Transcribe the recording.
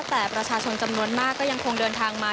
แต่ประชาชนจำนวนมากก็ยังคงเดินทางมา